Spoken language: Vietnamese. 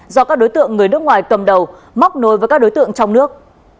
do các đối tượng người nước ngoài cầm đầu móc nối với các đối tượng trong nước